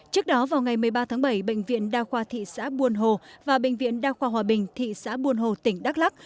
trước đó vào ngày một mươi ba tháng bảy bệnh viện đa khoa thị xã buôn hồ và bệnh viện đa khoa hòa bình thị xã buôn hồ tỉnh đắk lắc